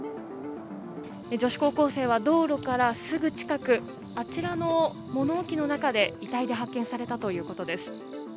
女子高校生は道路からすぐ近くあちらの物置の中で遺体で発見されたということです。